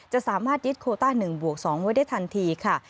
สามารถยึดโคต้า๑บวก๒ไว้ได้ทันทีค่ะ